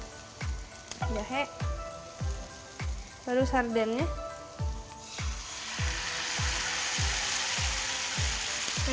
ini kalau ada yang suka sarden ini boleh kita tambahin lagi potongan atau irisan tomat atau